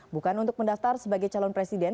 bukan untuk mendaftar sebagai calon presiden